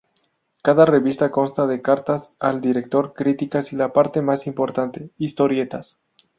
Cada revista consta de cartas al director, críticas y la parte más importante, historietas.